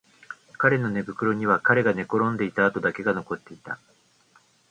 彼の寝袋には彼が寝転んでいた跡だけが残っていた